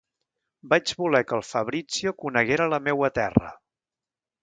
Vaig voler que el Fabrizio coneguera la meua terra.